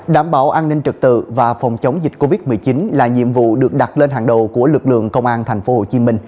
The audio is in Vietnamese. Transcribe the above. đảm bảo an ninh trật tự và phòng chống dịch covid một mươi chín là nhiệm vụ được đặt lên hàng đầu của lực lượng công an tp hcm